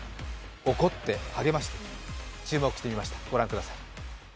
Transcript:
怒って励まして、注目しました。